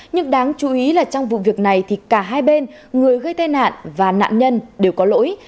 nhưng đáng chú ý là trong vụ việc này thì cả hai bên người gây tai nạn và nạn nhân đều có lỗi